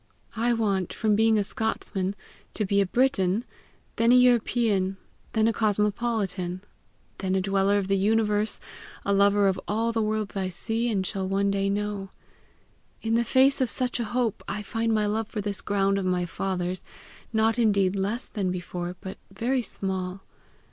I want, from being a Scotsman, to be a Briton, then a European, then a cosmopolitan, then a dweller of the universe, a lover of all the worlds I see, and shall one day know. In the face of such a hope, I find my love for this ground of my father's not indeed less than before, but very small.